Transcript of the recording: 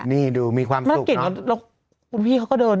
นี่มีความสุขและพี่เค้าก็เดิน๑๕